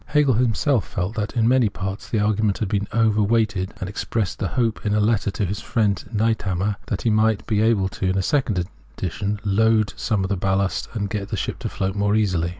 Hegel himself felt that in many parts, the argument had been overweighted,* and expressed the hope, in a letter to his friend Niethammer, that he might be able, in a second edition, to ' unload some of the ballast, and get the ship to float more easily.'!